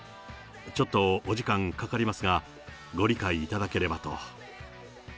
ちょっとお時間かかりますが、ご理解いただければと。